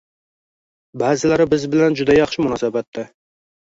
Ba’zilari biz bilan juda yaxshi munosabatda